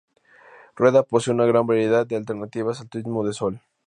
Rueda posee una gran variedad de alternativas al turismo de sol.